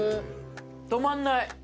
止まんない。